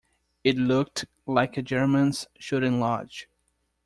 It looked like a gentleman's shooting lodge.